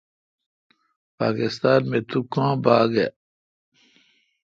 پاکستان می تو کاں باگ اؘ۔